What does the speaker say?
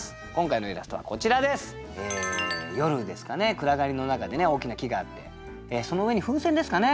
暗がりの中で大きな木があってその上に風船ですかね？